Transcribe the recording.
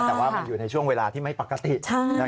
แต่ว่ามันอยู่ในช่วงเวลาที่ไม่ปกติ